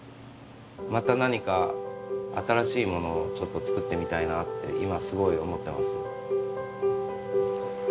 また何か新しいものをちょっと作ってみたいなと今すごい思っています。